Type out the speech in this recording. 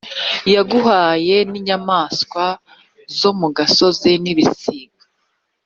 yaguhaye n’inyamaswa zo mu gasozi n’ibisiga